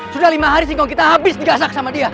sudah lima hari singkong kita habis digasak sama dia